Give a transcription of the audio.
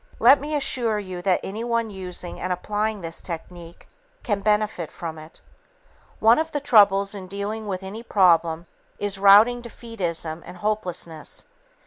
Let me assure you that anyone using and applying this technique can benefit from it. One of the troubles in dealing with any problem is routing defeatism and hopelessness.